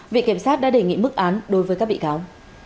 viện kiểm sát đã đề nghị mức án đối với các bị cáo